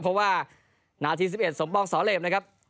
เพราะว่านาทีสิบเอ็ดสมป้องสอเล็บนะครับ